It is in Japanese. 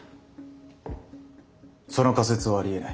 その仮説はありえない。